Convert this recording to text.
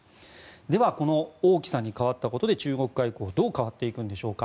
では、王毅さんに代わったことで中国外交はどう変わっていくんでしょうか。